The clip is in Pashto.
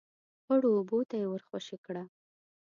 ، خړو اوبو ته يې ور خوشی کړه.